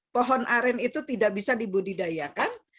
pohon aren itu tidak bisa dibudidayakan